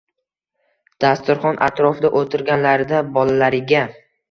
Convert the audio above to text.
Dasturxon atrofida o`tirganlarida, bolalariga